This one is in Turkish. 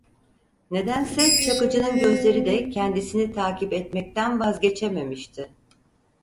Nedense Çakıcı'nın gözleri de kendisini takip etmekten vazgeçememişti.